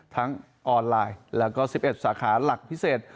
ออนไลน์แล้วก็๑๑สาขาหลักพิเศษ